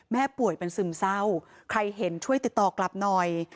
ป่วยเป็นซึมเศร้าใครเห็นช่วยติดต่อกลับหน่อย